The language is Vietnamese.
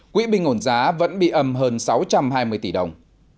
quỹ bình ổn giá vẫn bị ẩm hơn sáu trăm hai mươi tỷ đồng